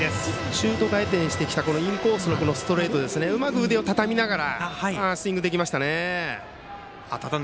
シュート回転してきたインコースのストレートうまく腕をたたみながらスイングできましたね。